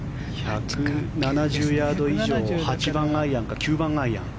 １７０ヤード以上を８番アイアンか９番アイアン。